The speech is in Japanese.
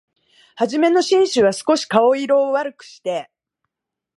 はじめの紳士は、すこし顔色を悪くして、